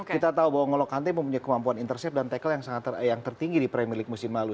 kita tahu bahwa ngolokante mempunyai kemampuan intercept dan tackle yang tertinggi di premier leagu musim lalu